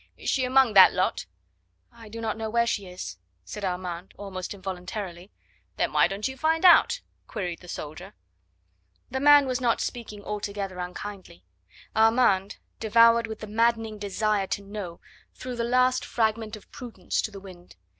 "Is she among that lot?" "I do not know where she is," said Armand almost involuntarily. "Then why don't you find out?" queried the soldier. The man was not speaking altogether unkindly. Armand, devoured with the maddening desire to know, threw the last fragment of prudence to the wind.